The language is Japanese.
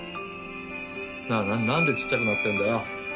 なあなんでちっちゃくなってんだよ。